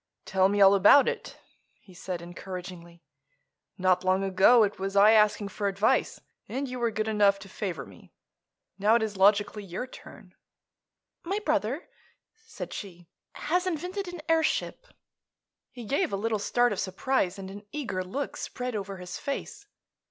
"Tell me all about it," he said encouragingly. "Not long ago it was I asking for advice, and you were good enough to favor me. Now it is logically your turn." "My brother," said she, "has invented an airship." He gave a little start of surprise and an eager look spread over his face.